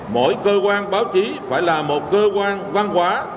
mỗi cơ quan báo chí phải là một cơ quan văn hóa